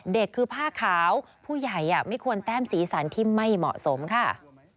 เด็กคือผ้าขาวผู้ใหญ่ไม่ควรแต้มสีสันที่ไม่เหมาะสมค่ะ